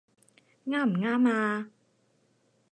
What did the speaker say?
啱唔啱呀？